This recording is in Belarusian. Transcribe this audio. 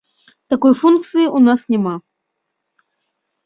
Такой функцыі ў нас няма.